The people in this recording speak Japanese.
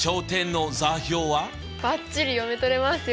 バッチリ読み取れますよ！